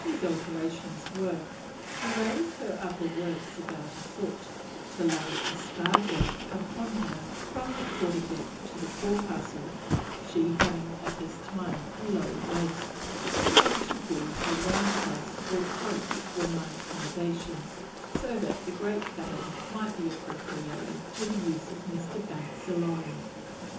These alterations were: "to raise her upper works about a foot, to lay a spar deck upon her from the quarter deck to the forecastle (she having at this time a low waist), and to build a round house or coach for my accommodation, so that the great cabin might be appropriated to the use of Mr. Banks alone."